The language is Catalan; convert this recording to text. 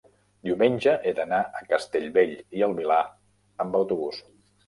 diumenge he d'anar a Castellbell i el Vilar amb autobús.